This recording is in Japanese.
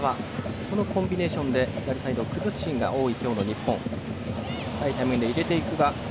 このコンビネーションで左サイドを崩すシーンが多い今日の日本。